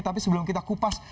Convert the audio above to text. tapi sebelum kita kupas